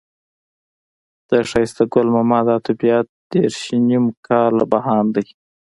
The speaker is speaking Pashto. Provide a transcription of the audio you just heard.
د ښایسته ګل ماما دا طبيعت دېرش نيم کاله بهاند دی.